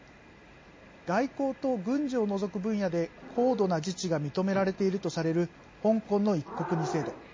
外交と軍事を除く分野で高度な自治が認められているとされる香港の「一国二制度」。